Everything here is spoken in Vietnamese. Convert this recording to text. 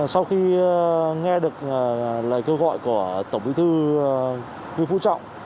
sau khi nghe được lời kêu gọi của tổng bí thư huy phu trọng